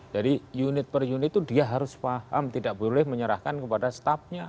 jadi unit per unit itu dia harus paham tidak boleh menyerahkan kepada staffnya